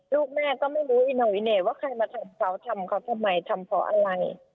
ลูกแม่ก็ไม่รู้อีโนอิเน่ว่าใครมาทำเขาทำเขาทำไมทำเพราะอะไร